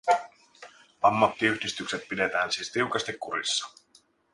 Ammattiyhdistykset pidetään siis tiukasti kurissa.